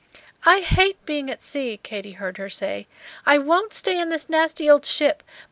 "I hate being at sea," Katy heard her say. "I won't stay in this nasty old ship.